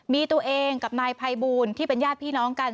มีตัวเองกับนายภัยบูลที่เป็นญาติพี่น้องกัน